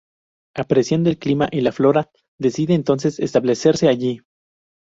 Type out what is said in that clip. Apreciando el clima y la flora, decide entonces establecerse allí.